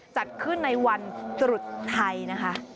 จัดขึ้นในวันตรุษไทยนะคะ